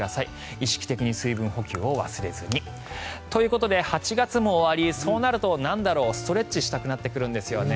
意識的に水分補給を忘れずにということで８月も終わりそうなると、なんだろうストレッチをしたくなってくるんですよね。